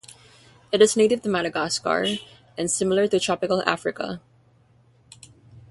It is native to Madagascar and to mainland tropical Africa.